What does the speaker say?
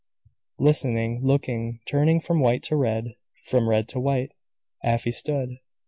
Listening, looking, turning from white to red, from red to white, Afy stood.